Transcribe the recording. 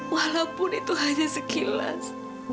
walaupun itu hanya sekilas